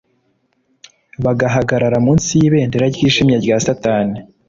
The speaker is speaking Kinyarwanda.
bagahagarara munsi y'ibendera ryijimye rya satani